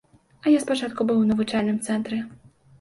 А я спачатку быў у навучальным цэнтры.